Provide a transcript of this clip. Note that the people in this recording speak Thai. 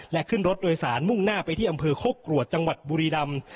และขึ้นรถโดยสารมุ่งหน้าไปที่อำเภอโคกรวดจังหวัดบุรีรำ